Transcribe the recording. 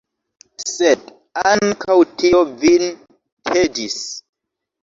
Sed ankaŭ tio vin tedis!